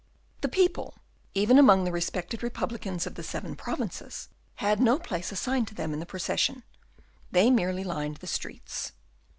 The people, even among the respected republicans of the Seven Provinces, had no place assigned to them in the procession; they merely lined the streets.